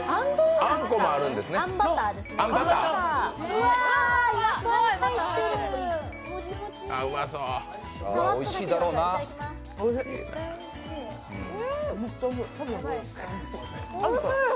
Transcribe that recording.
あんバターにしますね。